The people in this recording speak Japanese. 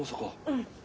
うん。